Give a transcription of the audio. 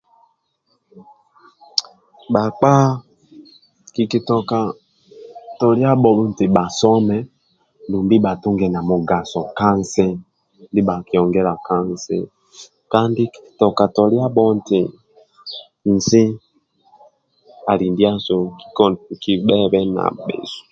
Bhakpa kikitoka toliabho nti bhasome dumbi bhatunge namugado ka nsi nibhakiongela ka nsi kandi kikitoka toliabho nti nsi ali ndiasu kibhebe nabhesu